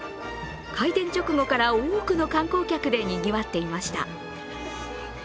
開店直後から多くの観光客でにぎわっていました。